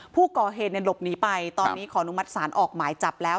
ผู้ก่อเหตุหลบหนีไปตอนนี้ขออนุมัติศาลออกหมายจับแล้ว